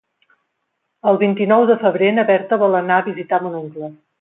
El vint-i-nou de febrer na Berta vol anar a visitar mon oncle.